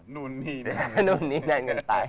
นู่นนี่นั่น